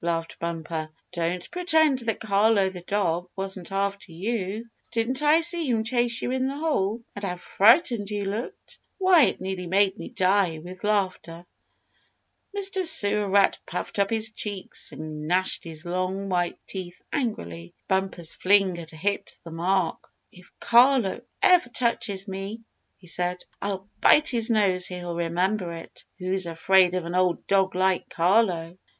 laughed Bumper. "Don't pretend that Carlo, the dog, wasn't after you. Didn't I see him chase you in the hole? And how frightened you looked! Why, it nearly made me die with laughter." Mr. Sewer Rat puffed up his cheeks and gnashed his long, white teeth angrily. Bumper's fling had hit the mark. "If Carlo ever touches me," he said, "I'll bite his nose so he'll remember it. Who's afraid of an old dog like Carlo?"